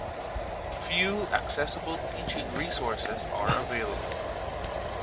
few accessible teaching resources are available